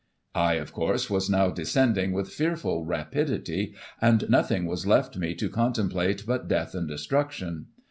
I, of course, was now descending with fearful rapidity, and nothing was left me to contemplate but death and destruction.